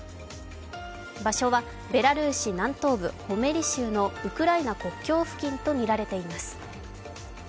場所はベラルーシ南東部ホメリ州のウクライナ国境付近とみられています。